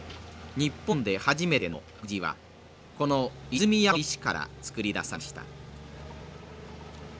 日本で初めての白磁はこの泉山の石から作り出されました。